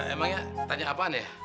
emangnya tanya apaan ya